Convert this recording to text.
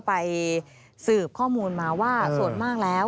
ไปสืบข้อมูลมาว่าส่วนมากแล้ว